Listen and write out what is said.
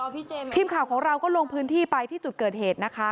ทีมข่าวของเราก็ลงพื้นที่ไปที่จุดเกิดเหตุนะคะ